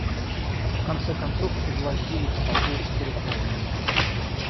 В конце концов пригвоздили к столбу с перекладиной.